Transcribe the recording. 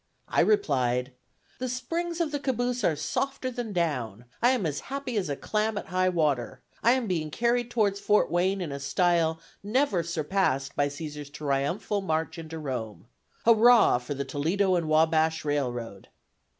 I replied: The springs of the caboose are softer than down; I am as happy as a clam at high water; I am being carried towards Fort Wayne in a style never surpassed by Cæsar's triumphal march into Rome. Hurrah for the Toledo and Wabash Railroad!